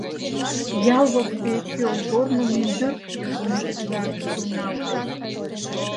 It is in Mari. Ял воктеч йолгорно мӱндырк Йогын вӱдла шуйналтеш.